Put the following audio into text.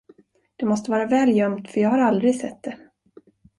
Det måste vara väl gömt, för jag har aldrig sett det.